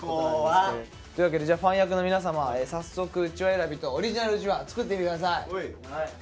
こわ！というわけでファン役の皆様早速うちわ選びとオリジナルうちわ作ってみて下さい。